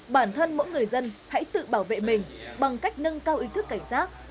bản thân mỗi người dân hãy tự bảo vệ mình bằng cách nâng cao ý thức cảnh giác